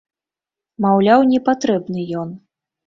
Маўляў, не патрэбны ён.